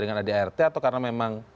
dengan adart atau karena memang